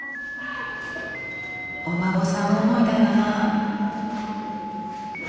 お孫さん思いだなぁ。